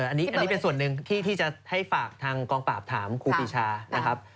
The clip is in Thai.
อันนี้เป็นส่วนหนึ่งที่จะให้ฝากทางกองปราบถามครูปีชานะครับ